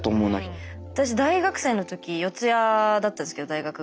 私大学生の時四谷だったんですけど大学が。